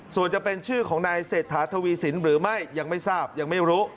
ส่วนจะเป็นชื่อของนายเศรษฐาทวีสินหรือไม่ยังไม่ทราบยังไม่รู้